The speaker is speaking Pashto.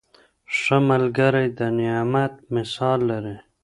ښه ملګری د نعمت مثال لري.